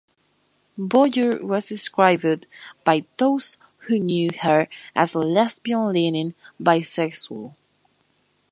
Boyer was described by those who knew her as a lesbian-leaning bisexual.